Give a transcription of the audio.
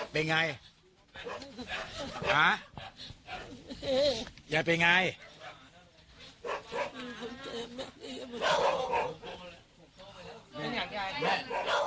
เป็นอย่างไรห้าย้ายเป็นอย่างไร